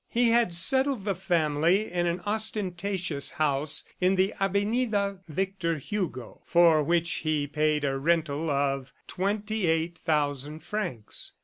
He had settled the family in an ostentatious house in the avenida Victor Hugo, for which he paid a rental of twenty eight thousand francs.